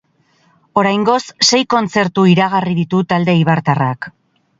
Oraingoz sei kontzertu iragarri ditu talde eibartarrak.